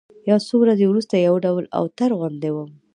يو څو ورځې وروسته يو ډول اوتر غوندې وم.